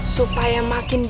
supaya makin baik